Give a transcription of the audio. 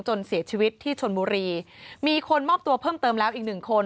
จนเสียชีวิตที่ชนบุรีมีคนมอบตัวเพิ่มเติมแล้วอีกหนึ่งคน